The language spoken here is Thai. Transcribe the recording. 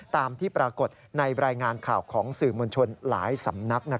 ตามที่ปรากฏในรายงานข่าวของสื่อมวลชนหลายสำนัก